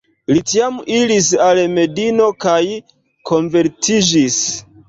Li tiam iris al Medino kaj konvertiĝis..